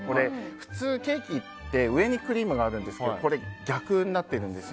普通ケーキって上にクリームがあるんですけどこれ、逆になってるんです。